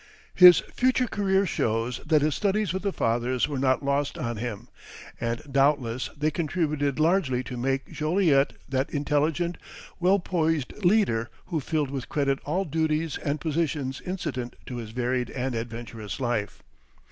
His future career shows that his studies with the Fathers were not lost on him, and doubtless they contributed largely to make Joliet that intelligent, well poised leader who filled with credit all duties and positions incident to his varied and adventurous life.